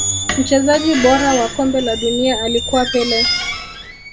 Mchezaji bora wa kombe la dunia alikuwa pele